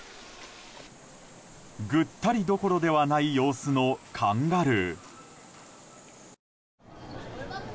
ぐったりどころではない様子のカンガルー。